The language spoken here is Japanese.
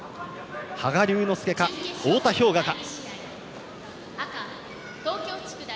羽賀龍之介か、太田彪雅か。